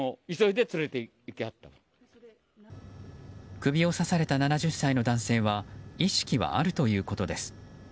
首を刺された７０歳の男性は意識はあるということです。